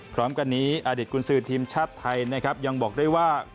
พร้อมกันนี้อดีตกุญสือทีมชาติไทยนะครับยังบอกได้ว่า